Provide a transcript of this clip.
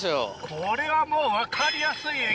これはもう分かりやすいエギ。